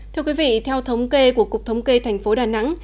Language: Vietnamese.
thưa quý vị theo thống kê của cục thống kê thành phố đà nẵng